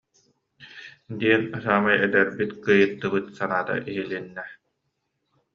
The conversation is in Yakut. диэн саамай эдэрбит кыйыттыбыт саҥата иһилиннэ